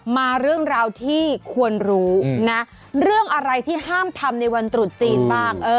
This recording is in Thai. มาเรื่องราวที่ควรรู้นะเรื่องอะไรที่ห้ามทำในวันตรุษจีนบ้าง